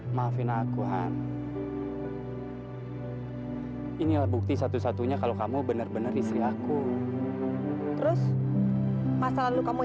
maafin akuan inilah bukti satu satunya kalau kamu bener bener istri aku terus masa lalu kamu